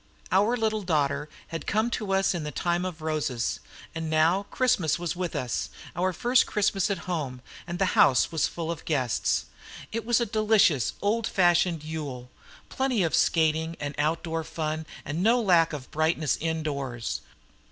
Our little daughter had come to us in the time of roses; and now Christmas was with us, our first Christmas at home, and the house was full of guests. It was a delicious old fashioned Yule; plenty of skating and outdoor fun, and no lack of brightness indoors.